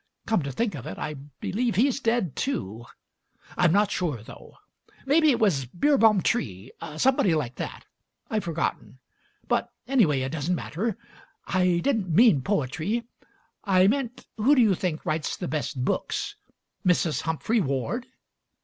Come to think of it, I believe he's dead, too. I'm not sure, though; maybe it was Beerbohm Tree — somebody like that. I've forgotten; but, anyway, it doesn't matter. I didn't mean poetry; I meant who do you think writes the best books? Mrs. Humphry Ward?"